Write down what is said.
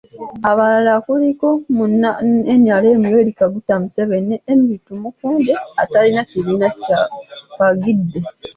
Abalala kuliko; Munna NRM Yoweri Kaguta Museveni ne Henry Tumukunde atalina kibiina kwagidde.